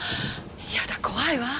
やだ怖いわ。